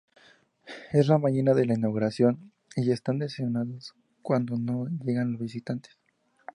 Es la mañana de la inauguración y están decepcionados cuando no llegan los visitantes.